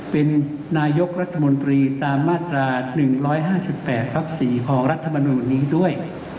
เป็นนายกรัฐมนตรีตามมาตรา๑๕๘ทับ๔ของรัฐมนุนนี้ด้วย